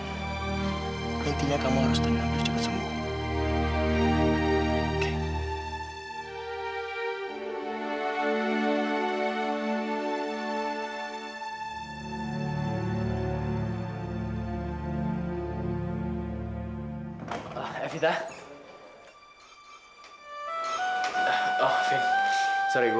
intinya kamu harus tenang dan cepat sembuh